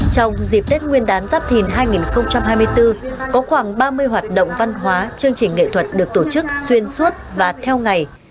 trong dịp tết nguyên đán giáp thìn hai nghìn hai mươi bốn có khoảng ba mươi hoạt động văn hóa chương trình nghệ thuật được tổ chức xuyên suốt và theo ngày